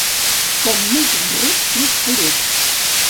Com més ruc, més poruc.